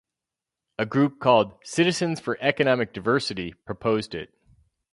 A group called "Citizens for Economic Diversity" proposed it.